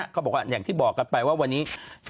อย่างที่บอกกันไปว่าวันนี้